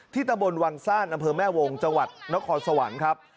ตะบนวังซ่านอำเภอแม่วงจังหวัดนครสวรรค์ครับ